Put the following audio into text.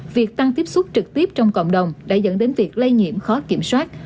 việc tăng tiếp xúc trực tiếp trong cộng đồng đã dẫn đến việc lây nhiễm khó kiểm soát